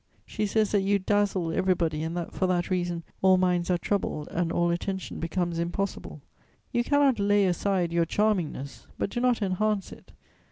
She says that you dazzle everybody and that, for that reason, all minds are troubled and all attention becomes impossible. You cannot lay aside your charmingness; but do not enhance it.